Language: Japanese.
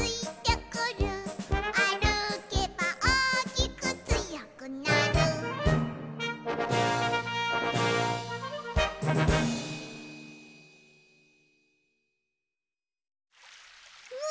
「あるけばおおきくつよくなる」う？